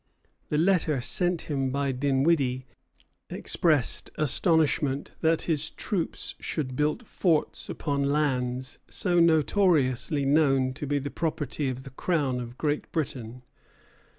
The letter sent him by Dinwiddie expressed astonishment that his troops should build forts upon lands "so notoriously known to be the property of the Crown of Great Britain."